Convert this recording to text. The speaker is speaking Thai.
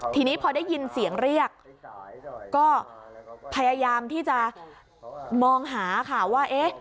ทีนี้พอได้ยินเสียงเรียกก็พยายามที่จะมองหาค่ะว่าเอ๊ะ